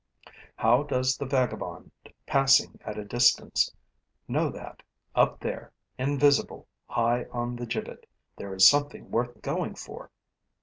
How does the vagabond, passing at a distance, know that, up there, invisible, high on the gibbet, there is something worth going for?